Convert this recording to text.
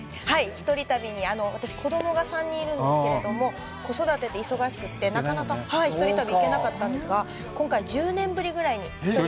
一人旅に、私、子供が３人いるんですけれども、子育てで忙しくてなかなか一人旅行けなかったんですが、今回、１０年ぶりぐらいに。